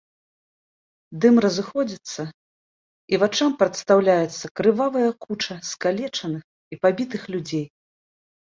Дым разыходзіцца, і вачам прадстаўляецца крывавая куча скалечаных і пабітых людзей.